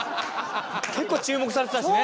結構注目されてたしね。